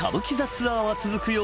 ツアーは続くよ